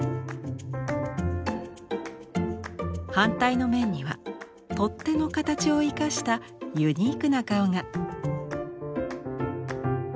反対の面には取っ手の形を生かしたユニークな顔が。